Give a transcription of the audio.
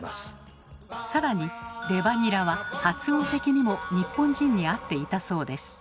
更に「レバニラ」は発音的にも日本人に合っていたそうです。